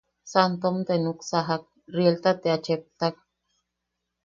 Santom te nuksajak, rielta te a cheptak.